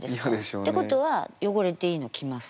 ってことは汚れていいの着ます。